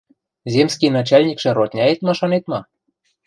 Земский начальникшӹ родняэт машанет ма?